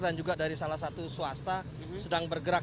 ini salah satu swasta sedang bergerak